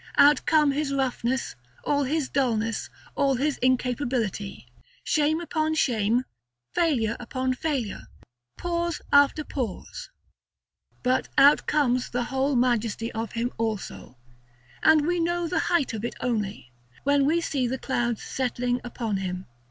Out come all his roughness, all his dulness, all his incapability; shame upon shame, failure upon failure, pause after pause: but out comes the whole majesty of him also; and we know the height of it only, when we see the clouds settling upon him.